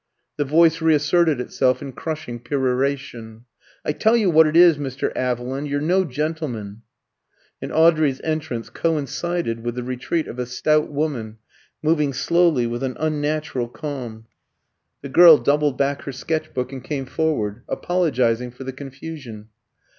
The voice reasserted itself in crushing peroration "I tell you wot it is, Mr. 'Aviland you're no gentleman." And Audrey's entrance coincided with the retreat of a stout woman, moving slowly with an unnatural calm. The girl doubled back her sketch book and came forward, apologising for the confusion.